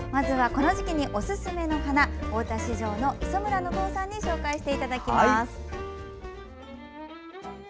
この時期におすすめの花を磯村信夫さんにご紹介していただきます。